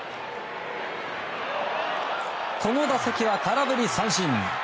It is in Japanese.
この打席は空振り三振。